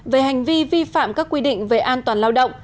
về hành vi vi phạm các quy định về an toàn lao động